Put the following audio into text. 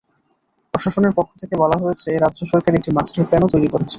প্রশাসনের পক্ষ থেকে বলা হয়েছে, রাজ্য সরকার একটি মাস্টার প্ল্যানও তৈরি করছে।